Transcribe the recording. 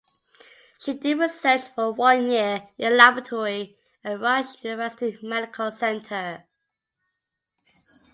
She did research for one year in laboratory at Rush University Medical Center.